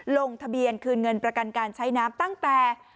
ลงทะเบียนคืนเงินประกันการใช้น้ำตั้งแต่